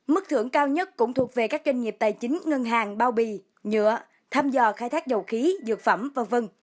mức thưởng cao nhất cũng thuộc về các doanh nghiệp tài chính ngân hàng bao bì nhựa tham dò khai thác dầu khí dược phẩm v v